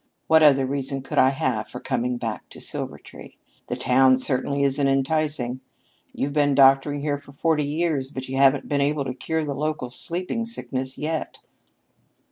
"What other reason could I have for coming back to Silvertree? The town certainly isn't enticing. You've been doctoring here for forty years, but you havn't been able to cure the local sleeping sickness yet."